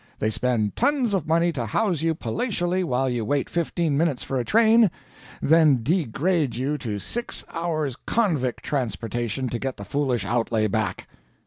They spend tons of money to house you palatially while you wait fifteen minutes for a train, then degrade you to six hours' convict transportation to get the foolish outlay back.